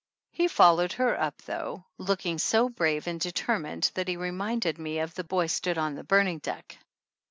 He followed her up though, looking so brave and determined that he reminded me of "The boy stood on the burning deck."